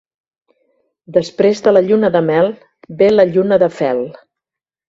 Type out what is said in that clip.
Després de la lluna de mel ve la lluna de fel.